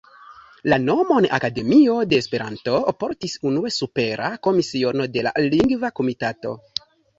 La nomon "Akademio de Esperanto" portis unue supera komisiono de la Lingva Komitato.